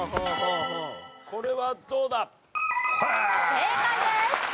正解です。